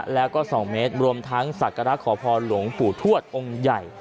แล้วก็๒เมตรรวมทั้งศักระขอพรหลวงปู่ทวดองค์ใหญ่